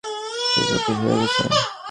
সে সতেজ হয়ে গেছে।